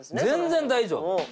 全然大丈夫。